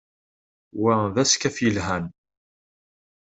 Wa d askaf yelhan.